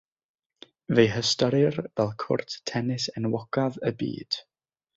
Fe'i hystyrir fel cwrt tennis enwocaf y byd.